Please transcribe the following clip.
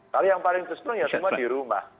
kalau yang paling keseluruh ya semua di rumah